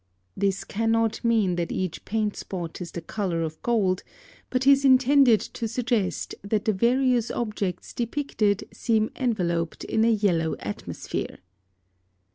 This cannot mean that each paint spot is the color of gold, but is intended to suggest that the various objects depicted seem enveloped in a yellow atmosphere.